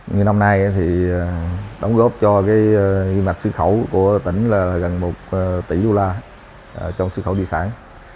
năm nay đóng góp cho ghi mạch sưu khẩu của tỉnh là gần một tỷ usd trong sưu khẩu đi sản